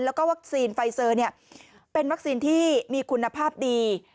แล้วก็วัคซีนไฟเซอร์เป็นวัคซีนที่มีคุณภาพดี